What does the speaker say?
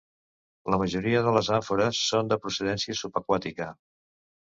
La majoria de les àmfores són de procedència subaquàtica.